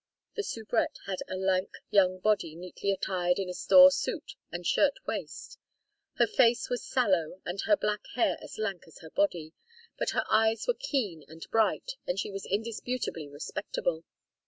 The soubrette had a lank young body neatly attired in a store suit and shirt waist. Her face was sallow and her black hair as lank as her body, but her eyes were keen and bright, and she was indisputably respectable.